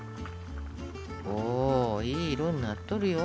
おいい色になっとるよ。